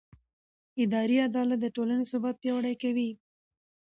اداري عدالت د ټولنې ثبات پیاوړی کوي.